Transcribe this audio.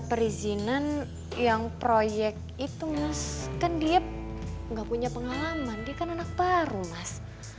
perizinan yang proyek itu mas kan dia nggak punya pengalaman dia kan anak baru mas